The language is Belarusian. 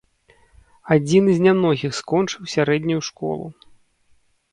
Адзіны з нямногіх скончыў сярэднюю школу.